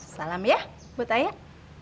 salam ya buat ayah